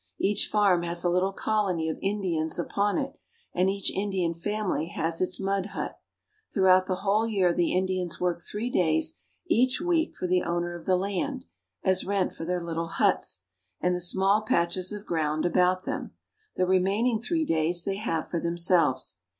Each farm has a little colony of Indians upon it, and each Indian family has its mud hut. Throughout the whole year the Indians work three days each week for the " Each Indian family has its mud hut." owner of the land, as rent for their little huts and the small patches of ground about them. The remaining three days they have for themselves.